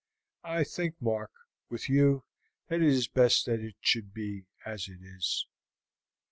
I think, Mark, with you, that it is best that it should be as it is."